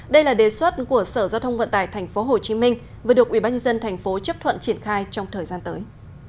đây là đề xuất của sở giao thông vận tải tp hcm vừa được ubnd tp chấp thuận triển khai trong thời gian tới